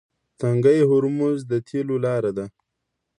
تنګی هرمز د تیلو لاره ده.